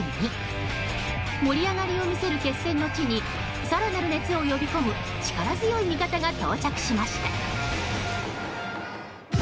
盛り上がりを見せる決戦の地に更なる熱を呼び込む力強い味方が到着しました。